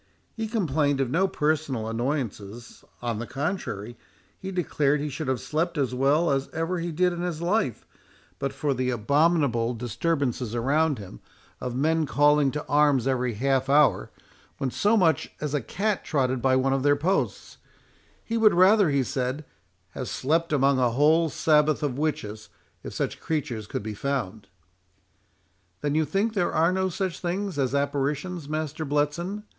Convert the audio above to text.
He complained of no personal annoyances; on the contrary, he declared he should have slept as well as ever he did in his life but for the abominable disturbances around him, of men calling to arms every half hour, when so much as a cat trotted by one of their posts—He would rather, he said, "have slept among a whole sabaoth of witches, if such creatures could be found." "Then you think there are no such things as apparitions, Master Bletson?"